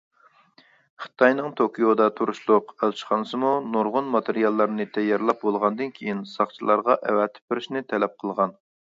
خىتاينىڭ توكيودا تۇرۇشلۇق ئەلچىخانىسىمۇ نۇردىن ماتېرىياللارنى تەييارلاپ بولغاندىن كېيىن ساقچىلارغا ئەۋەتىپ بېرىشنى تەلەپ قىلغان.